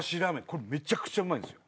これめちゃくちゃうまいんすよ。